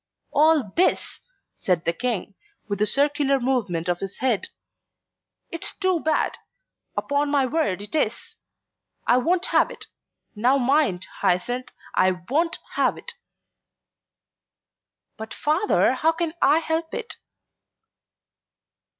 "All this," said the King, with a circular movement of his hand. "It's too bad; upon my word it is. I won't have it. Now mind, Hyacinth, I won't have it. "But, Father, how can I help it?"